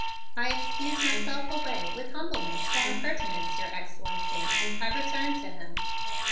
"I excuse myself away with humbleness for impertinence, Your Excellency," I returned to him.